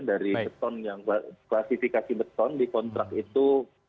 dari beton yang klasifikasi beton di kontrak itu